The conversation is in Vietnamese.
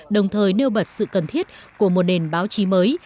đồng thời nêu bật sự cần thiết của một nền báo chí mới